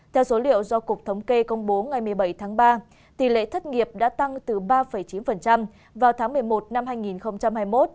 theo số liệu do cục thống kê công bố ngày một mươi bảy tháng ba tỷ lệ thất nghiệp đã tăng từ ba chín vào tháng một mươi một năm hai nghìn hai mươi một